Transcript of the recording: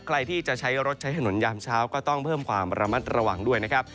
ใครที่จะใช้รถใช้ถนนยามเช้าก็ต้องเพิ่มความระมัดระวังด้วยนะครับ